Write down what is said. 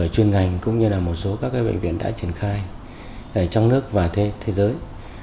chuyên ngành cũng như một số bệnh viện đã triển khai trong nước và thế giới